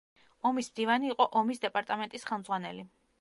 ომის მდივანი იყო ომის დეპარტამენტის ხელმძღვანელი.